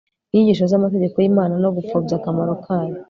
inyigisho zamategeko yImana no gupfobya akamaro kayo